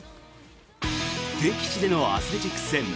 敵地でのアスレチックス戦。